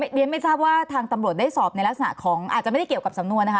เรียนไม่ทราบว่าทางตำรวจได้สอบในลักษณะของอาจจะไม่ได้เกี่ยวกับสำนวนนะคะ